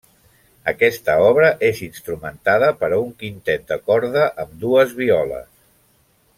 Aquesta obra és instrumentada per a un quintet de corda amb dues violes.